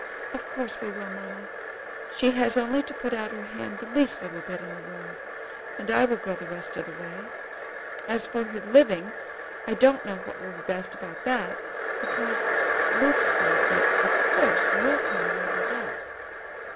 "Of course we will, mamma. She has only to put out her hand the least little bit in the world, and I will go the rest of the way. As for her living, I don't know what will be best about that, because Luke says that of course you'll come and live with us."